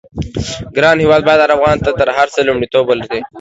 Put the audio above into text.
ګران هېواد بايد هر افغان ته د هر څه لومړيتوب ولري.